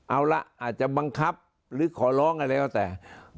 เอาล่ะอาจจะบังคับหรือขอร้องอะไรอย่างเท่าแต่